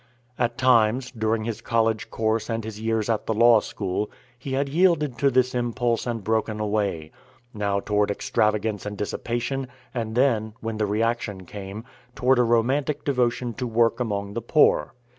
At times, during his college course and his years at the law school, he had yielded to this impulse and broken away now toward extravagance and dissipation, and then, when the reaction came, toward a romantic devotion to work among the poor.